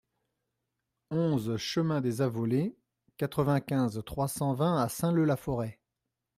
onze chemin des Avollées, quatre-vingt-quinze, trois cent vingt à Saint-Leu-la-Forêt